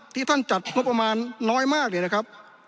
ที่ท่านจัดงบประมาณน้อยมากเนี่ยนะครับ